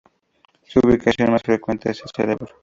Su ubicación más frecuente es el cerebro.